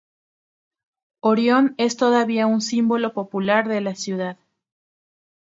Orión es todavía un símbolo popular de la ciudad.